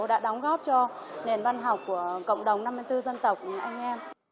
đã đóng góp cho nền văn học của cộng đồng năm mươi bốn dân tộc anh em